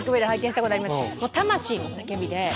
魂の叫びで。